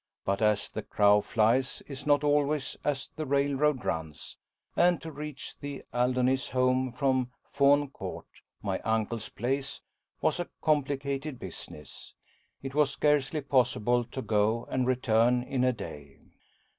But as the crow flies is not always as the railroad runs, and to reach the Aldoyns' home from Fawne Court, my uncle's place, was a complicated business it was scarcely possible to go and return in a day.